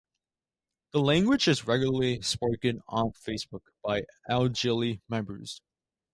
The language is regularly spoken on Facebook by Awjili members.